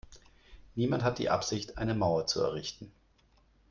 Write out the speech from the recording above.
Niemand hat die Absicht eine Mauer zu errichten.